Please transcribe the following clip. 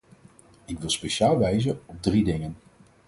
Ik wil speciaal wijzen op drie dingen.